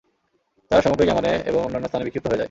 তারা সমগ্র ইয়ামানে এবং অন্যান্য স্থানে বিক্ষিপ্ত হয়ে যায়।